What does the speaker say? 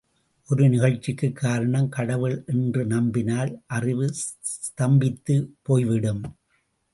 ஒரு நிகழ்ச்சிக்குக் காரணம் கடவுள் என்று நம்பினால் அறிவு ஸ்தம்பித்துப் போய்விடும்.